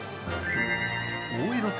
大江戸線